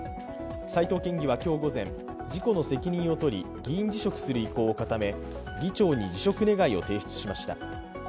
斉藤県議は今日午前事故の責任を取り議員辞職する意向を固め、議長に辞職願を提出しました。